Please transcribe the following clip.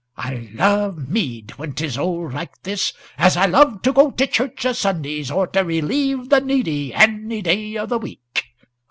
"I love mead, when 't is old like this, as I love to go to church o' Sundays or to relieve the needy any day of the week."